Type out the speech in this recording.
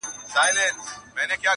پر امیر باندي هغه ګړی قیامت سو!.